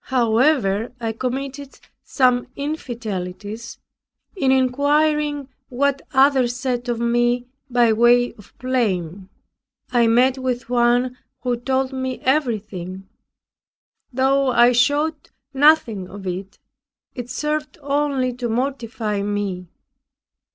However, I committed some infidelities, in inquiring what others said of me by way of blame. I met with one who told me everything. Though I showed nothing of it, it served only to mortify me.